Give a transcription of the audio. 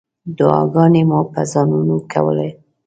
دعاګانې مو په ځانونو کولې.